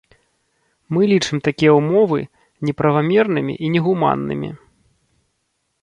Мы лічым такія ўмовы неправамернымі і негуманнымі.